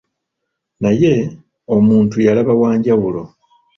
Naye omuntu yalaba wa njawulo.